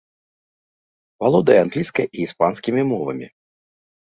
Валодае англійскай і іспанскімі мовамі.